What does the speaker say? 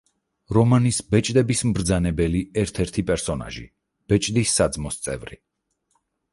რომანის „ბეჭდების მბრძანებელი“ ერთ-ერთი პერსონაჟი, ბეჭდის საძმოს წევრი.